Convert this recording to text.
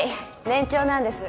年長なんです。